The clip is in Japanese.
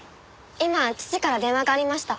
今父から電話がありました。